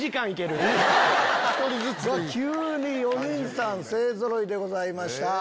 急に４人さん勢ぞろいでございました。